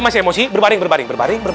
masih emosi berbaring berbaring